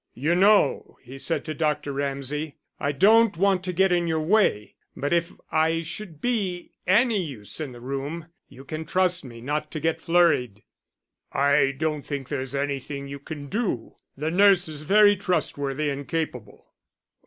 "You know," he said to Dr. Ramsay, "I don't want to get in your way; but if I should be any use in the room, you can trust me not to get flurried." "I don't think there's anything you can do; the nurse is very trustworthy and capable."